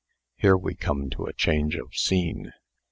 Here we come to a change of scene.